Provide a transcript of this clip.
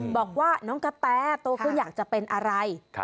บอกว่าน้องกะแตโตขึ้นอยากจะเป็นอะไร